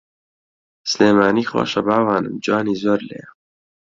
سلێمانی خۆشە باوانم جوانی زۆر لێیە